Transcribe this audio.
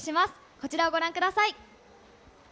こちらをご覧ください。